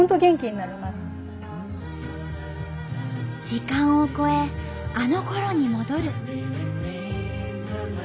時間を超えあのころに戻る。